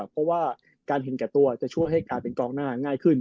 เพราะว่าการเห็นแก่ตัวจะช่วยให้กลายเป็นกองหน้าง่ายขึ้น